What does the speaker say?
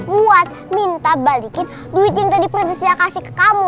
buat minta balikin duit yang tadi produce dia kasih ke kamu